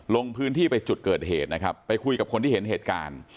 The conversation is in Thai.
ลงพื้นที่ไปจุดเกิดเหตุนะครับไปคุยกับคนที่เห็นเหตุการณ์